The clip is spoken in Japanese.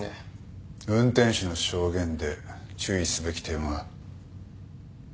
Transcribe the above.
運転手の証言で注意すべき点は？